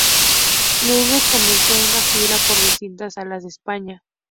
Lunes comenzó una gira por distintas salas de España.